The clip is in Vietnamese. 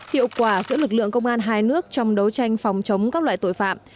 hiệu quả giữa lực lượng công an hai nước trong đấu tranh phòng chống các loại tội phạm